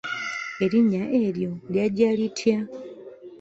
Erinnya eryo lyajja litya?